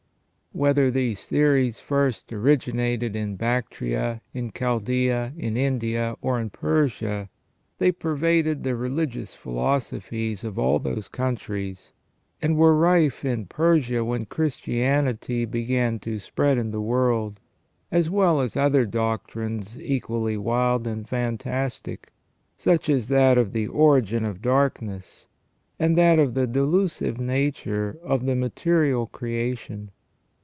Whether these theories first originated in Bactria, in Chaldaea, in India, or in Persia, they pervaded the religious philosophies of all those countries; and were rife in Persia when Christianity began to spread in the world, as well as other doctrines equally wild and fantastic, such as that of the origin of darkness, and that of the delusive nature of the material creation.